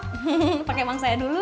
hehehe pake uang saya dulu